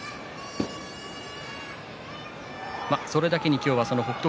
それだけに今日は北勝